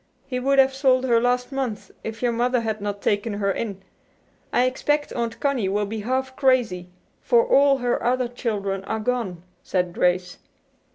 He would have sold her last month if your mother had not taken her in. I expect Aunt Connie will be half crazy, for all her other children are gone," said Grace.